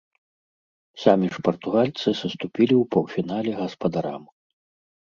Самі ж партугальцы саступілі ў паўфінале гаспадарам.